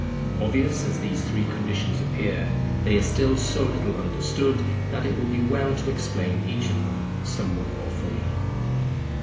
Obvious as these three conditions appear, they are still so little understood, that it will be well to explain each of them somewhat more fully.